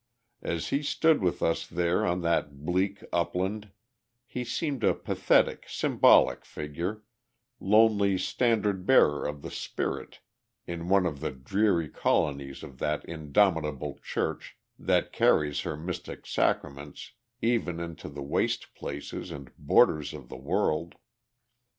As he stood with us there on that bleak upland, he seemed a pathetic, symbolic figure, lonely standard bearer of the spirit in one of the dreary colonies of that indomitable church that carries her mystic sacraments even into the waste places and borders of the world.